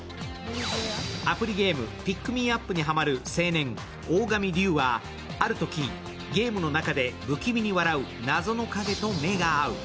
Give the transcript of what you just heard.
アプリゲーム・ピックミーアップ！にはまる青年、大神柳はあるとき、ゲームの中で不気味に笑う謎の影と目が合う。